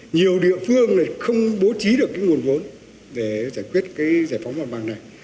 nhiều địa phương này không bố trí được cái nguồn vốn để giải quyết cái giải phóng mặt bằng này